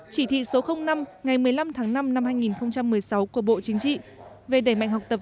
chỉ thị số năm ngày một mươi năm tháng năm năm hai nghìn một mươi sáu của bộ chính trị về đẩy mạnh học tập